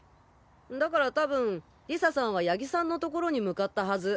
だからたぶん理沙さんは谷木さんのところに向かったはず。